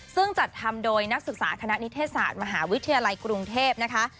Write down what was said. ซึ่งจัดทำโดยนักศึกษาคณะนิเทศศาสตร์มหาวิทยาลัยกรุงเทพนะคะ